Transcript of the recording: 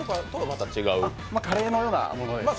カレーのようなものですね。